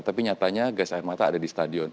tapi nyatanya gas air mata ada di stadion